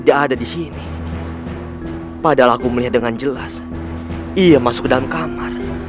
ada di sini padahal aku melihat dengan jelas iya masuk ke dalam kamar